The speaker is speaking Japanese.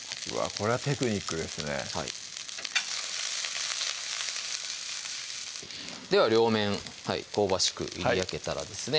これはテクニックですねでは両面香ばしくいり焼けたらですね